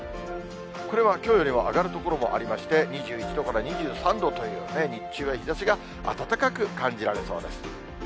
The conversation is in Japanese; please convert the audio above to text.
これはきょうよりも上がる所もありまして、２１度から２３度という、日中は日ざしが暖かく感じられそうです。